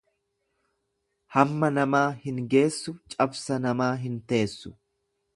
Hamma namaa hin geessu cabsa namaa hin teessu.